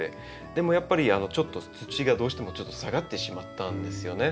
でもやっぱりちょっと土がどうしても下がってしまったんですよね。